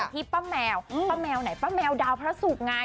ที่ป้าแมวป้าแมวไหนป้าแมวดาวพระศุกร์ไง